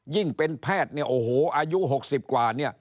ยิ่งเป็นแพทย์อายุ๖๐กว่า